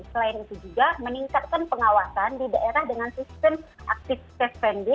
selain itu juga meningkatkan pengawasan di daerah dengan sistem aktivitas